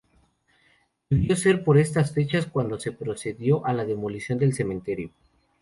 Debió ser por estas fechas cuando se procedió a la demolición del cementerio.